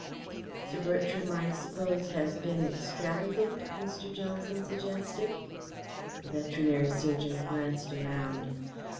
"Sir Bertram, I suppose, has been extravagant?" Mr. Johnson suggested. The veterinary surgeon glanced around.